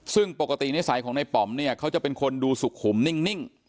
ซึ่งปกตินิสัยของในป๋อมเนี่ยเขาจะเป็นคนดูสุขุมนิ่ง